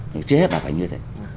trước hết là phải như thế